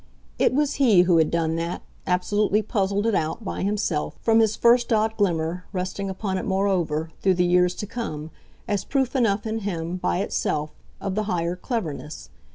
It was he who had done that, absolutely puzzled it out, by himself, from his first odd glimmer resting upon it moreover, through the years to come, as proof enough, in him, by itself, of the higher cleverness.